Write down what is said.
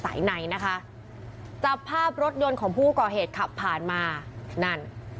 ในนะคะจับภาพรถยนต์ของผู้ก่อเหตุขับผ่านมานั่น